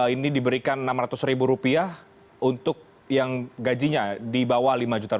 ini diberikan rp enam ratus untuk yang gajinya di bawah lima juta